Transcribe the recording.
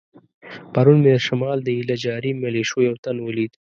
پرون مې د شمال د ایله جاري ملیشو یو تن ولید.